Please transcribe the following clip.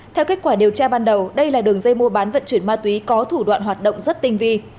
theo kết quả điều tra ban đầu đây là đường dây mua bán vận chuyển ma túy có thủ đoạn hoạt động rất tinh vi